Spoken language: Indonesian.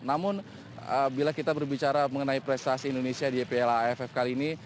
namun bila kita berbicara mengenai prestasi indonesia di piala aff kali ini